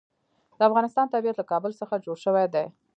د افغانستان طبیعت له کابل څخه جوړ شوی دی.